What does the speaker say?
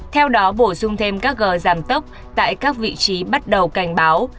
theo đó bổ sung thêm các gờ giảm tốc tại các vị trí bắt đầu cảnh báo